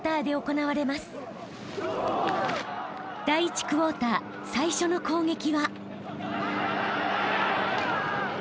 ［第１クォーター最初の攻撃は］